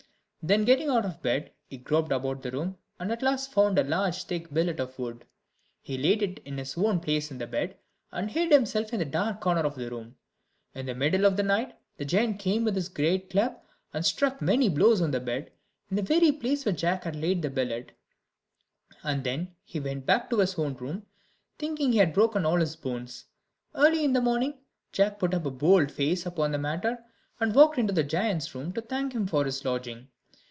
Then getting out of bed, he groped about the room, and at last found a large thick billet of wood; he laid it in his own place in the bed, and hid himself in a dark corner of the room. In the middle of the night the giant came with his great club, and struck many heavy blows on the bed, in the very place where Jack had laid the billet, and then he went back to his own room, thinking he had broken all his bones. Early in the morning, Jack put a bold face upon the matter, and walked into the giant's room to thank him for his lodging.